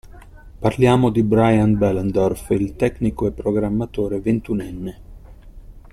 Parliamo di Brian Behlendorf, il tecnico e programmatore ventunenne.